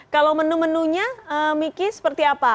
kalau menu menunya miki seperti apa